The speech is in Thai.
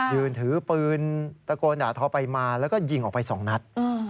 ยืนถือปืนตะโกนด่าทอไปมาแล้วก็ยิงออกไปสองนัด